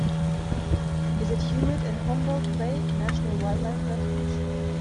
is it humid in Humboldt Bay National Wildlife Refuge